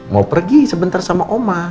mau pergi sebentar sama oma